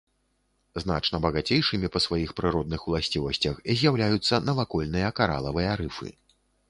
Значна багацейшымі па сваіх прыродных уласцівасцях з'яўляюцца навакольныя каралавыя рыфы.